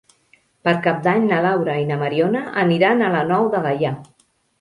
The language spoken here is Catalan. Per Cap d'Any na Laura i na Mariona aniran a la Nou de Gaià.